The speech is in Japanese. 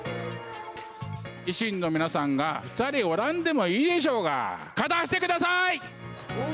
維新の皆さんが、２人おらんでもいいでしょうが、勝たしてください！